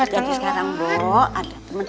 jadi sekarang mbak ada temen